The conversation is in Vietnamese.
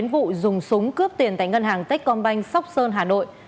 ngân hàng techcombank sóc sơn hà nội